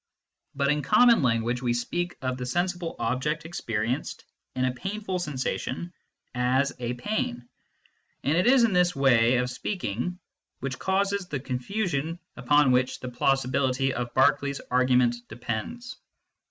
But in common language we speak of the sensible object experienced in a painful sensation as a pain, and it is this way of speaking which causes the confusion upon which the plausibility of Berkeley s argument depends.